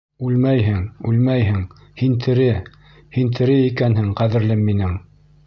— Үлмәйһең, үлмәйһең, һин тере, һин тере икәнһең, ҡәҙерлем минең.